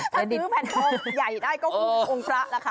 ถ้าซื้อแผ่นทองใหญ่ได้ก็คงองค์พระแล้วค่ะ